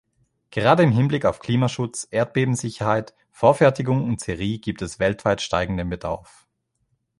Gerade im Hinblick auf Klimaschutz, Erdbebensicherheit, Vorfertigung und Serie gibt es weltweit steigenden Bedarf.